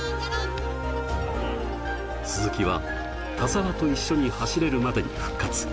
鈴木は、田澤と一緒に走れるまでに復活。